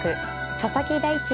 佐々木大地